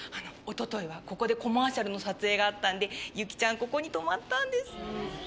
おとといはここでコマーシャルの撮影があったんで由起ちゃんここに泊まったんです。